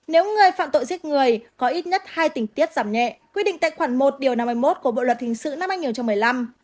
nếu người phạm tội giết người có ít nhất hai tình tiết giảm nhẹ quy định tại khoản một điều năm mươi một của bộ luật hình sự năm hai nghìn một mươi năm